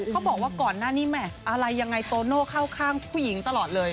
ก่อนหน้านี้แหม่อะไรยังไงโตโน่เข้าข้างผู้หญิงตลอดเลย